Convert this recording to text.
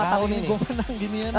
gak pernah kali ini gue menang gini ya